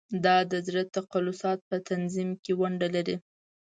دا د زړه د تقلصاتو په تنظیم کې ونډه لري.